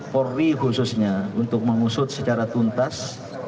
polri khususnya untuk mengusut secara tuntas